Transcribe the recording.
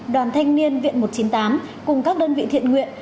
đoàn thanh niên viện một trăm chín mươi tám cùng các đơn vị thiện nguyện